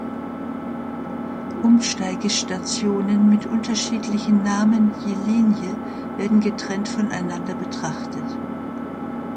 Umsteigestationen mit unterschiedlichen Namen je Linie werden getrennt voneinander betrachtet.